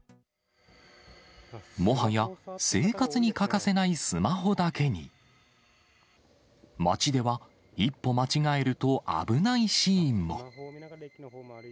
もはや生活に欠かせないスマホだけに、街では一歩間違えると危ないシーンも。